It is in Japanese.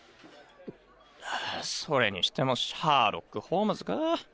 あぁそれにしてもシャーロック・ホームズかぁ。